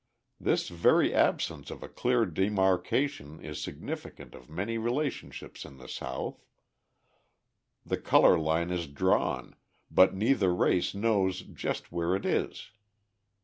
This very absence of a clear demarcation is significant of many relationships in the South. The colour line is drawn, but neither race knows just where it is.